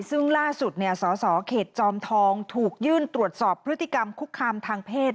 ซึ่งล่าสุดสสเขตจอมทองถูกยื่นตรวจสอบพฤติกรรมคุกคามทางเพศ